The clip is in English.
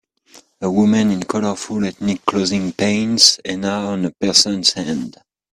A woman in colorful ethnic clothing paints henna on a person 's hand.